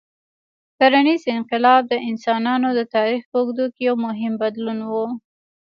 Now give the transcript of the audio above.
کرنيز انقلاب د انسانانو د تاریخ په اوږدو کې یو مهم بدلون و.